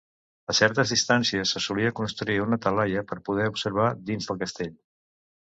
A certes distàncies se solia construir una talaia per poder observar dins del castell.